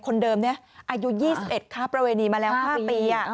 คนเดิมนี้อายุ๒๑ค้าประเวณีมาแล้ว๕ปี